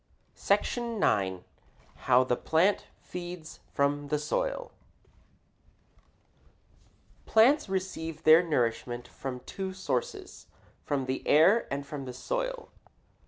SECTION IX. HOW THE PLANT FEEDS FROM THE SOIL Plants receive their nourishment from two sources from the air and from the soil.